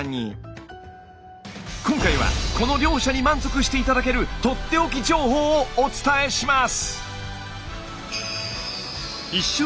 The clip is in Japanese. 今回はこの両者に満足して頂けるとっておき情報をお伝えします！